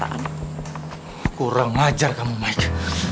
ya nia nih anak kesayangan papa yang maksa cewek malem ke hotel